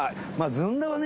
ずんだはね